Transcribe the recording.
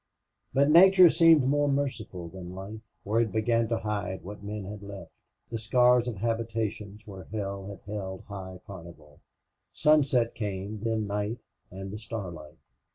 But nature seemed more merciful than life. For it began to hide what man had left the scars of habitations where hell had held high carnival. Sunset came, then night and the starlight.